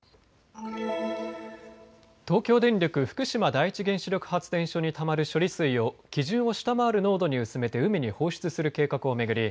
東京電力福島第一原子力発電所にたまる処理水を基準を下回る濃度に薄めて海に放出する計画を巡り